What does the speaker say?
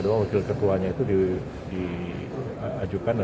bu believe ke still images juga menambah